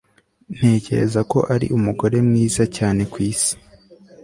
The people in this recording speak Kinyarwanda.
Ntekereza ko ari umugore mwiza cyane kwisi